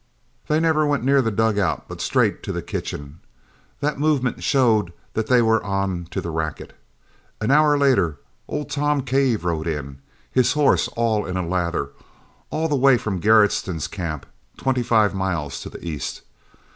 They never went near the dug out, but straight to the kitchen. That movement showed that they were on to the racket. An hour later old Tom Cave rode in, his horse all in a lather, all the way from Garretson's camp, twenty five miles to the east.